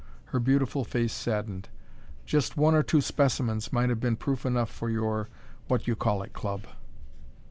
Her beautiful face saddened. "Just one or two specimens might have been proof enough for your What You Call It Club!"